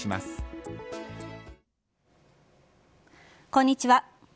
こんにちは。